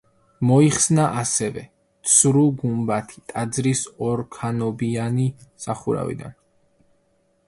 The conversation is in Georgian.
მოიხსნა, ასევე, ცრუ გუმბათი ტაძრის ორქანობიანი სახურავიდან.